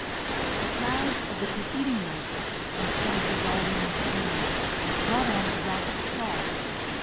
The clouds of the preceding night, instead of dissolving in snow, brought on a rapid thaw.